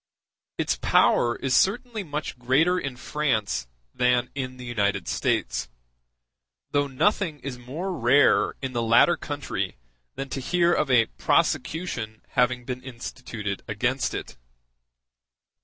Its power is certainly much greater in France than in the United States; though nothing is more rare in the latter country than to hear of a prosecution having been instituted against it.